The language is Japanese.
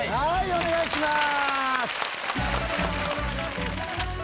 お願いします！